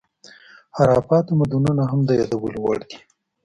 هاراپا تمدنونه هم د یادولو وړ دي.